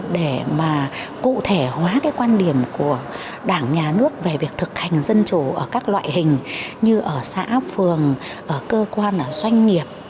để mà cụ thể hóa cái quan điểm của đảng nhà nước về việc thực hành dân chủ ở các loại hình như ở xã phường ở cơ quan ở doanh nghiệp